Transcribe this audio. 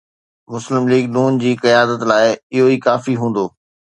مسلم ليگ ن جي قيادت لاءِ اهو ئي ڪافي هوندو.